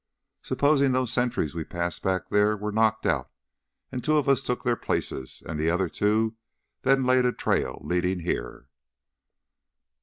"Supposin' those sentries we passed back there were knocked out and two of us took their places and the other two then laid a trail leadin' here?"